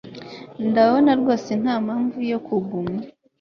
Ndabona rwose ntampamvu yo kuguma